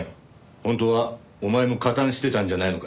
本当はお前も加担してたんじゃないのか？